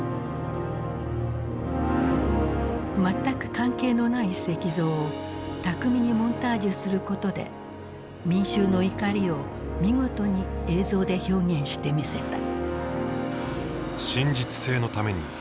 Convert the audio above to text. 全く関係のない石像を巧みにモンタージュすることで民衆の怒りを見事に映像で表現してみせた。